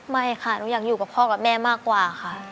ไม่ค่ะหนูอยากอยู่กับพ่อกับแม่มากกว่าค่ะ